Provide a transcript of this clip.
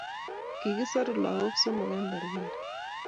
kikosoru lagoik somok eng' perkerra